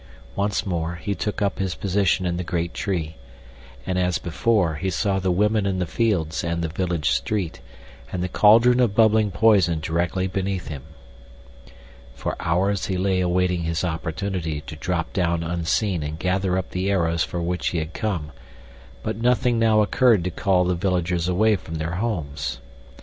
Once more he took up his position in the great tree, and, as before, he saw the women in the fields and the village street, and the cauldron of bubbling poison directly beneath him. For hours he lay awaiting his opportunity to drop down unseen and gather up the arrows for which he had come; but nothing now occurred to call the villagers away from their homes.